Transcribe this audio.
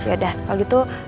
yaudah kalau gitu